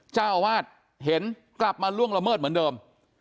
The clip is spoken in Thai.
เจ้าอาวาสเห็นกลับมาล่วงละเมิดเหมือนเดิม